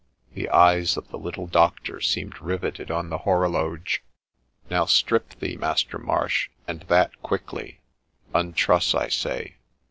The eyes of the little Doctor seemed riveted on the horologe. ' Now strip thee, Master Marsh, and that quickly : untruss, I say